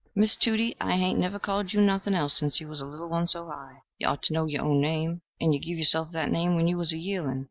"Why, Tudie, I hain't never called you nothing else sence you was a little one so high. You ort to know yer own name, and you give yerself that name when you was a yearling.